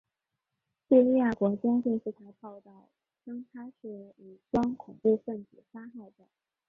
叙利亚国家电视台报道称他是被武装恐怖分子杀害的。